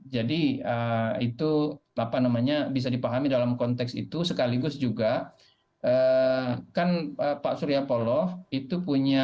jadi itu bisa dipahami dalam konteks itu sekaligus juga kan pak surya paloh itu